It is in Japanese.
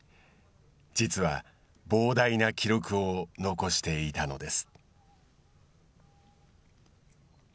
実は、膨大な記録を残していたのです。